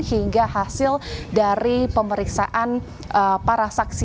hingga hasil dari pemeriksaan para saksi